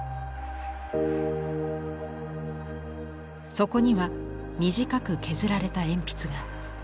そこには短く削られた鉛筆が。